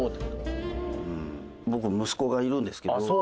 うん僕息子がいるんですけど。